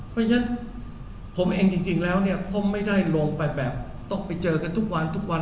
เพราะฉะนั้นผมเองจริงแล้วก็ไม่ได้ลงไปแบบต้องไปเจอกันทุกวันทุกวัน